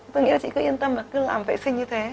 tôi nghĩ là chị cứ yên tâm là cứ làm vệ sinh như thế